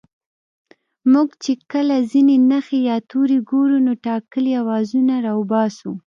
موږ چې کله ځينې نښې يا توري گورو نو ټاکلي آوازونه راوباسو